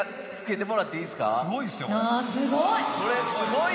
すごい！